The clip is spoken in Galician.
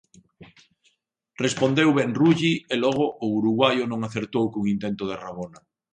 Respondeu ben Rulli e logo o uruguaio non acertou cun intento de rabona.